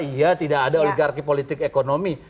iya tidak ada oligarki politik ekonomi